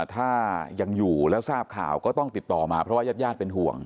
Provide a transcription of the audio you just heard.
ถ้ายังอยู่แล้วทราบข่าวก็ต้องติดต่อมาเพราะว่าญาติญาติเป็นห่วง